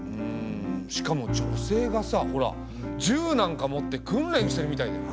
しかも女性がさほら銃なんか持って訓練してるみたいだよ。